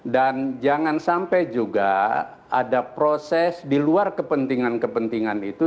dan jangan sampai juga ada proses di luar kepentingan kepentingan itu